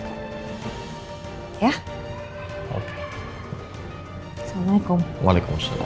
udah hari ini kabul tuh sama wavelength boom philosophical